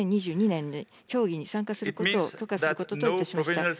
２０２２年に競技に参加することを許可することといたしました。